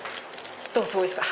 どうすごいですか？